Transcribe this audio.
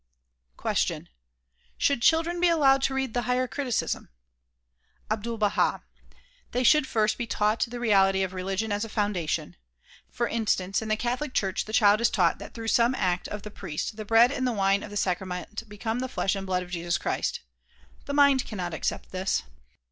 Question: Should children be allowed to read the "higher criticism ''? Abdul Baha: They should first be taught the reality of re ligion as a foundation. For instance, in the catholic church the child is taught that through some act of the priest the bread and wine of the sacrament become the flesh and blood of Jesus Christ. The mind cannot accept this.